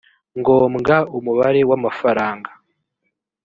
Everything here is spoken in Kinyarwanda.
ngombwa umubare w amafaranga